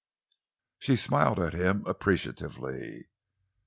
She smiled at him appreciatively.